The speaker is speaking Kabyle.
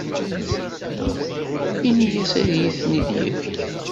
Ini-as ad iyi-ten-id-yefk.